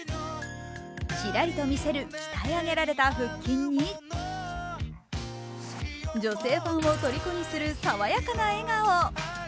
ちらりと見せる鍛え上げられた腹筋に女性ファンをとりこにする爽やかな笑顔。